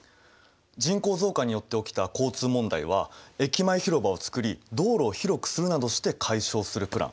人口増加によって起きた交通問題は駅前広場を作り道路を広くするなどして解消するプラン。